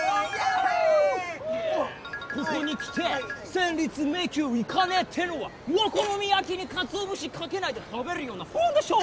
ここに来て戦慄迷宮行かねえってのはお好み焼きにかつお節かけないで食べるようなもんでしょ！